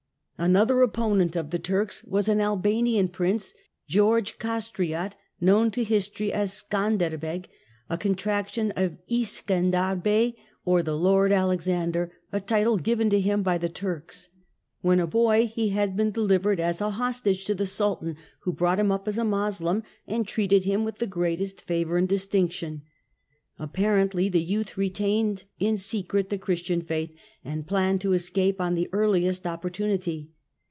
Another opponent of the Turks was an Albanian Scandei Priuce, George Castriot, known to history as Scaiiderbey, ^^^ a contraction of Iskender Bey or the Lord Alexander, a title given to him by the Turks. When a boy he had been delivered as a hostage to the Sultan, who brought him up as a Moslem and treated him with the greatest favour and distinction. Apparently the youth retained in secret the Christian faith, and planned to escape on the earliest opportunity.